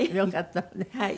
はい。